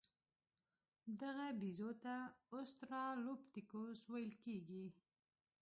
دغه بیزو ته اوسترالوپیتکوس ویل کېده.